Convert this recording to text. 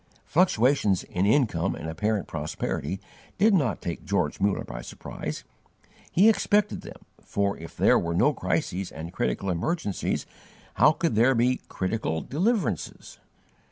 Fluctuations in income and apparent prosperity did not take George Muller by surprise. He expected them, for if there were no crises and critical emergencies how could there be critical deliverances?